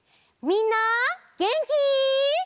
みんなげんき？